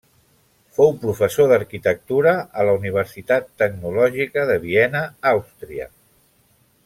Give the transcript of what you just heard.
Fou professor d'arquitectura a la Universitat Tecnològica de Viena, Àustria.